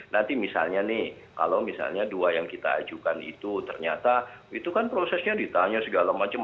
nanti misalnya nih kalau misalnya dua yang kita ajukan itu ternyata itu kan prosesnya ditanya segala macam